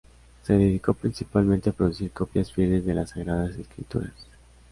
Se dedicó principalmente a producir copias fieles de las Sagradas Escrituras.